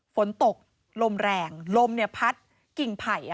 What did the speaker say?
ฝนตกลมแรงลมพัดกิ่งไผ่